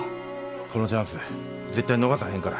このチャンス絶対逃さへんから。